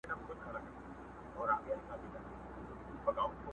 د هر چا چي وي په لاس کي تېره توره!!